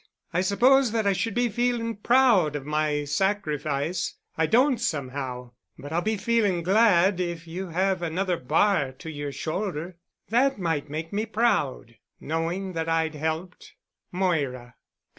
I suppose that I should be feeling proud at my sacrifice; I don't, somehow, but I'll be feeling glad if you have another bar to your shoulder. That might make me proud, knowing that I'd helped. MOIRA."